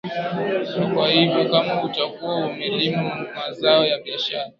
na kwa hivyo kama utakuwa umelima mazao ya biashara